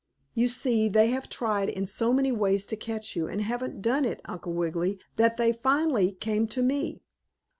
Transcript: "You see they have tried in so many ways to catch you, and haven't done it, Uncle Wiggily, that they finally came to me.